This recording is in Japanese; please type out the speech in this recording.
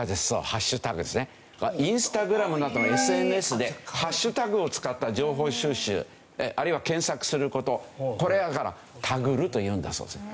ＩｎｓｔａｇｒａｍなどのＳＮＳでハッシュタグを使った情報収集あるいは検索する事これらから「タグる」と言うんだそうです。